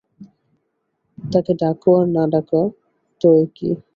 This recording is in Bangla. তাকে ডাকা আর না ডাকা তো একই।